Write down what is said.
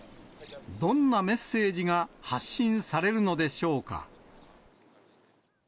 どんなメッセージが発信されるのでしょうか。